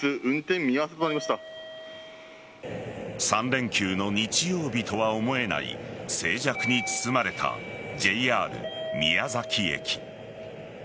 ３連休の日曜日とは思えない静寂に包まれたＪＲ宮崎駅。